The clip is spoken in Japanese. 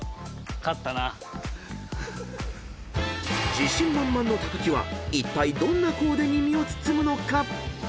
［自信満々の木はいったいどんなコーデに身を包むのか］